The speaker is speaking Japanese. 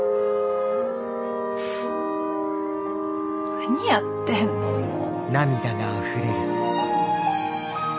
何やってんのもう。